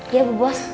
iya bu bos